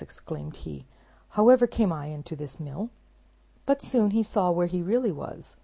exclaimed he, "however came I into this mill?" but soon he saw where he really was.